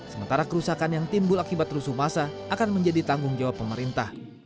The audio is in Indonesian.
sementara kerusakan yang timbul akibat rusuh masa akan menjadi tanggung jawab pemerintah